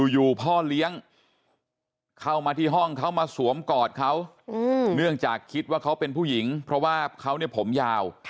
อยู่พ่อเลี้ยงเข้ามาที่ห้องเขามาสวมกอดเขาเนื่องจากคิดว่าเขาเป็นผู้หญิงเพราะว่าเขาเนี่ยผมยาว